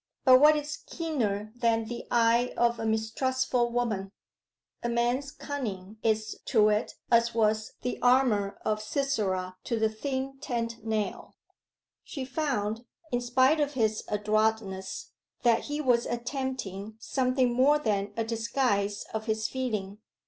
But what is keener than the eye of a mistrustful woman? A man's cunning is to it as was the armour of Sisera to the thin tent nail. She found, in spite of his adroitness, that he was attempting something more than a disguise of his feeling.